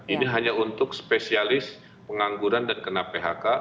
ini hanya untuk spesialis pengangguran dan kena phk